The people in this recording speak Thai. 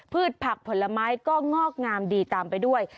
ผักผลไม้ก็งอกงามดีตามไปด้วย